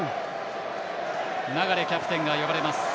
流キャプテンが呼ばれます。